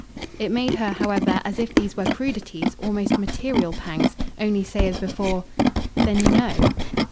It made her, however, as if these were crudities, almost material pangs, only say as before: "Then you know?"